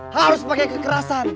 harus pakai kekerasan